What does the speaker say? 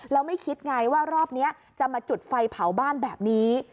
แล้วไม่คิดไงว่ารอบนี้จะมาจุดไฟเผาบ้านแบบนี้